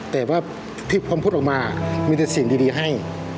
แต่ว่าที่พร้อมพูดออกมามีแต่สิ่งดีให้